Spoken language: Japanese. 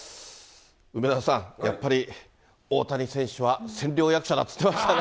梅沢さん、やっぱり大谷選手は千両役者だって言ってましたね。